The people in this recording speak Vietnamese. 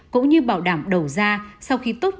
cũng như bảo đảm đầu gia